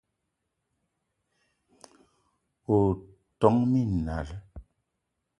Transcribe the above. O ton minal